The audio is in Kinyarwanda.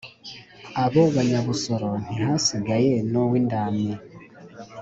Abo Banyabusoro ntihasigaye n'uw'indamyi.